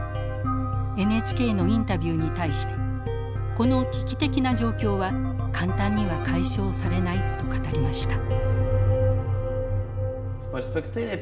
ＮＨＫのインタビューに対してこの危機的な状況は簡単には解消されないと語りました。